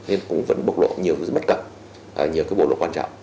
nên cũng vẫn bộc lộ nhiều bất cập nhiều cái bộ lộ quan trọng